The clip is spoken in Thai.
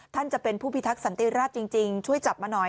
ท่านจะเป็นผู้พิทักษันติราชจริงช่วยจับมาหน่อย